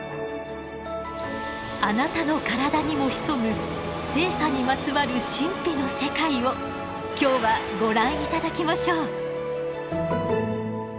あなたの体にも潜む性差にまつわる神秘の世界を今日はご覧いただきましょう。